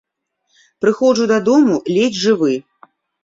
Прыходжу дадому ледзь жывы.